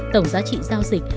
tổng giá trị giao dịch